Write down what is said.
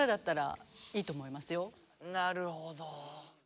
なるほど。